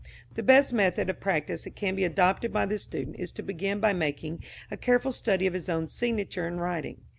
The best method of practice that can be adopted by the student is to begin by making a careful study of his own signature and writing.